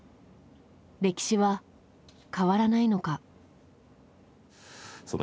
歴史は変わらないのか。